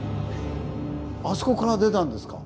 あそこから出たんですか？